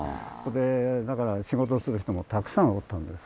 だから仕事する人もたくさんおったんです。